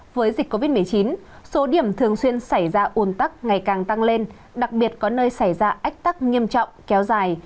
với dịch covid một mươi chín số điểm thường xuyên xảy ra ồn tắc ngày càng tăng lên đặc biệt có nơi xảy ra ách tắc nghiêm trọng kéo dài